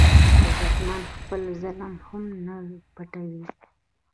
غیرتمند خپل ظلم هم نه پټوي